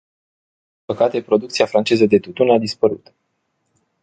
Din păcate, producția franceză de tutun a dispărut.